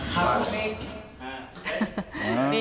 ครับพวกพี่